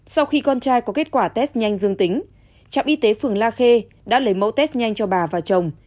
sau khi con trai có kết quả test nhanh dương tính trạm y tế phường la khê đã lấy mẫu test nhanh cho bà và chồng